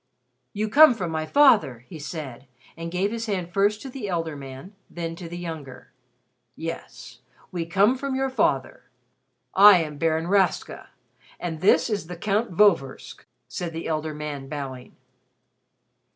"You come from my father!" he said, and gave his hand first to the elder man, then to the younger. "Yes, we come from your father. I am Baron Rastka and this is the Count Vorversk," said the elder man, bowing.